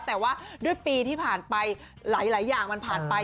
แต่ว่าด้วยปีที่ผ่านไปหลายอย่างมันผ่านไป